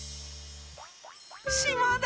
しまだ！